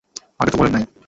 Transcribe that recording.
আগে তো বলেন নাই!